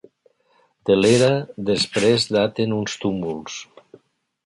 De l'era després daten uns túmuls.